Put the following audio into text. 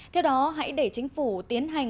theo đó hãy để chính phủ tiến hành